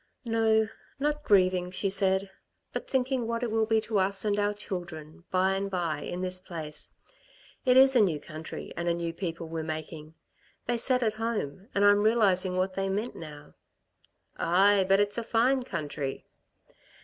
"No, not grieving," she said. "But thinking what it will be to us and our children, by and by, in this place. It is a new country and a new people we're making, they said at home, and I'm realising what they meant now." "Aye. But it's a fine country!"